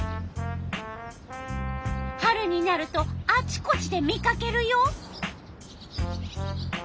春になるとあちこちで見かけるよ。